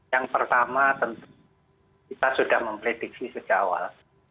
yang pertama tentu kita sudah memprediksi sejak awal